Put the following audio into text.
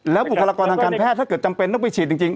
บุคลากรทางการแพทย์ถ้าเกิดจำเป็นต้องไปฉีดจริง